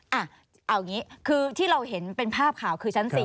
เอาอย่างนี้คือที่เราเห็นเป็นภาพข่าวคือชั้น๔